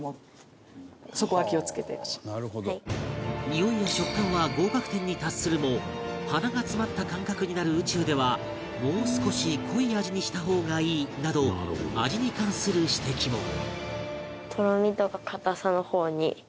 においや食感は合格点に達するも鼻が詰まった感覚になる宇宙ではもう少し濃い味にした方がいいなど味に関する指摘も